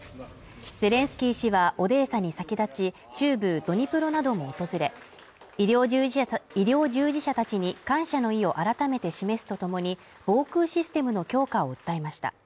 ゼレンスキー氏はオデーサに先立ち中部ドニプロなども訪れ医療従事者医療従事者たちに感謝の意を改めて示すとともに防空システムの強化を訴えました